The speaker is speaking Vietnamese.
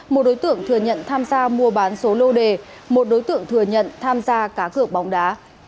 một đối tượng thừa nhận tham gia mua bán số lô đề một đối tượng thừa nhận tham gia cá cược bóng đá